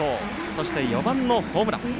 そして４番のホームラン。